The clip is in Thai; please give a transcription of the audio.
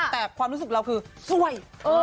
แต่ความรู้สึกเราคือสวย